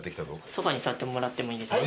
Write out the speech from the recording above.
ソファに座ってもらってもいいですか？